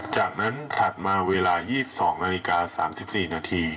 จากนั้นถัดมาเวลา๒๒นาฬิกา๓๔นาที